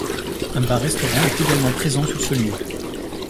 Un bar-restaurant est également présent sur ce lieu.